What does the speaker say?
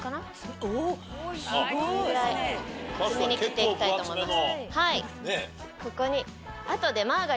このぐらい厚めに切っていきたいと思います。